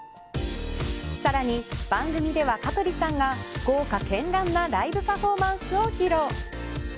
さらに番組では、香取さんが豪華絢爛なライブパフォーマンスを披露。